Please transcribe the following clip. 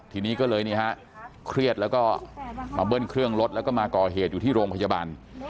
ทีนี้ก็เลยนี่ฮะเครียดแล้วก็มาเบิ้ลเครื่องรถแล้วก็มาก่อเหตุอยู่ที่โรงพยาบาล